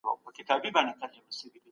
جګړه باید په هېڅ قیمت بیا ونه سي.